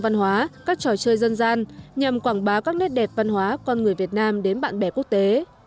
văn hóa các trò chơi dân gian nhằm quảng bá các nét đẹp văn hóa con người việt nam đến bạn bè quốc tế